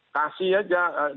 kasih aja dendanya